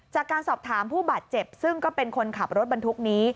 จากการสอบถามผู้บาดเจ็บซึ่งก็เป็นคนขับรถบรรทุกนี้